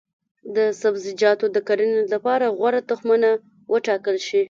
د سبزیجاتو د کرنې لپاره غوره تخمونه وټاکل شي.